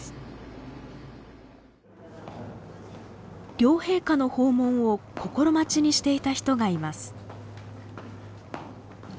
両陛下の訪問を心待ちにしていた人がいます。